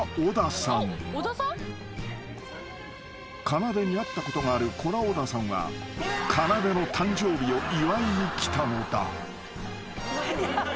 ［かなでに会ったことがあるコラ小田さんはかなでの誕生日を祝いに来たのだ］